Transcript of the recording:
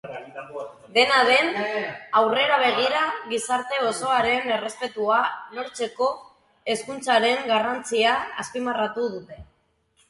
Dena den, aurrera begira gizarte osoaren errespetua lortzeko hezkuntzaren garrantzia azpimarratu dute.